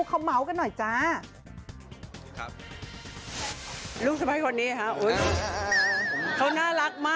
เขาน่ารักมากเลยค่ะ